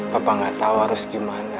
bapak nggak tahu harus gimana